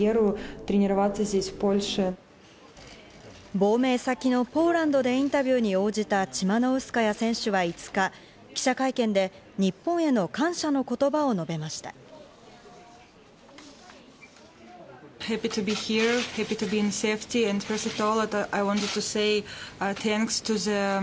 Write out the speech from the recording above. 亡命先のポーランドでインタビューに応じたチマノウスカヤ選手は５日、記者会見で日本への感謝の言葉を述べました。